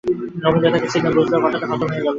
নবীন দাদাকে চেনে, বুঝলে ও কথাটা খতম হয়ে গেল।